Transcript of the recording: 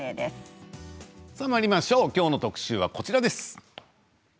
今日の特集はこちらです。